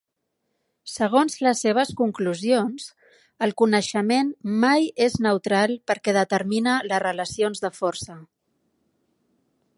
Segons les seves conclusions, el coneixement mai és neutral perquè determina les relacions de força.